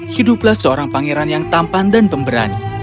hiduplah seorang pangeran yang tampan dan pemberani